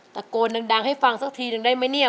ตะโกนดังให้ฟังสักทีนึงได้ไหมเนี่ย